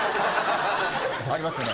ありますよね？